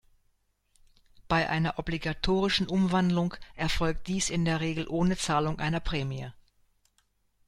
Bei einer obligatorischen Umwandlung erfolgt dies in der Regel ohne Zahlung einer Prämie.